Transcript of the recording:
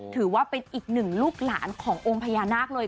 ถือว่าเป็นอีกหนึ่งลูกหลานขององค์พญานาคเลย